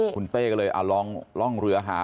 คุณเป้เลยอ่างเรือหา